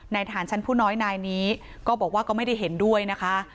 ทหารชั้นผู้น้อยนายนี้ก็บอกว่าก็ไม่ได้เห็นด้วยนะคะ